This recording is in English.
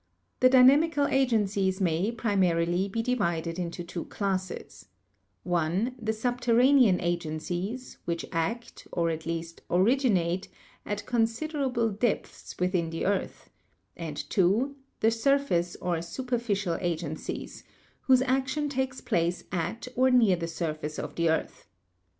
The dynamical agencies may, primarily, be divided into two classes: (i) the Subterranean Agencies, which act, or at least originate, at considerable depths within the earth; and (2) the Surface or Superficial Agencies, whose action takes place at or near the surface of the earth.